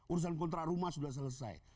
urusan kontrak rumah sudah selesai